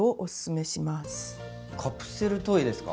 カプセルトイですか？